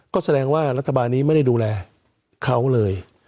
ก็แสดงว่ารัฐบาลนี้ไม่ได้ดูแลเขาเลย